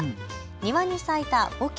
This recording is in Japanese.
庭に咲いたボケ。